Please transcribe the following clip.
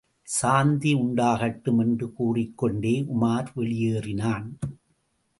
சாந்தி உண்டாகட்டும் என்று கூறிக் கொண்டே உமார் வெளியேறினான்.